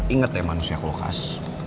ingat ya manusia kulkas